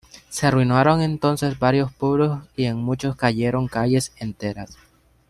Se arruinaron entonces varios pueblos y en muchos cayeron calles enteras.